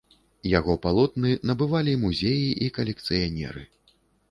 Яго палотны набывалі музеі і калекцыянеры.